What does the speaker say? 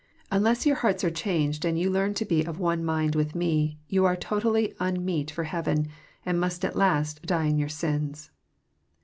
Unless yoar hearts are cbao<;ed, and you learn to be of one mind with Me, you are totally unmeet for heaveii, and most at last die in youf sins."